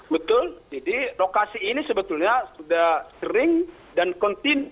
betul jadi lokasi ini sebetulnya sudah sering dan kontin